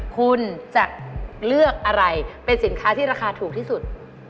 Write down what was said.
คุณจะเลือกอะไรเป็นสินค้าที่ราคาถูกที่สุด